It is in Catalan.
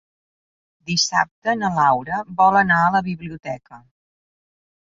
Dissabte na Laura vol anar a la biblioteca.